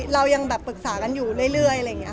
เรายังปรึกษากันอยู่เรื่อยค่ะ